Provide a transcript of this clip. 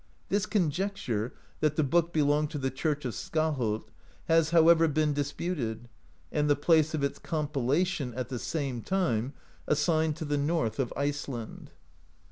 This conjecture, that the book belonged to the Church of Skaholt, has, however, been disputed, and the place of its compilation, at the same time, assigned to the north of Iceland.